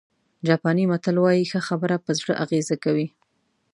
جاپاني متل وایي ښه خبره په زړه اغېزه کوي.